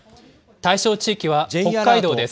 対象地域は北海道です。